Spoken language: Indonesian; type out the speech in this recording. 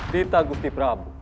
tita agusti prabu